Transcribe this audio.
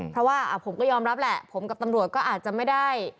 เพราะว่าผมก็ยอมรับแหละผมกับตำรวจก็อาจจะไม่ได้